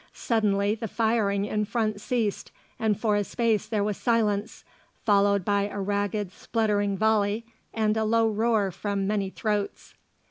Suddenly the firing in front ceased, and for a space there was silence, followed by a ragged spluttering volley and a low roar from many throats.